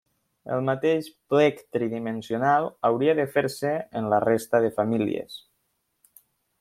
El mateix plec tridimensional hauria de fer-se en la resta de famílies.